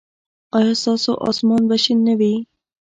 ایا ستاسو اسمان به شین نه وي؟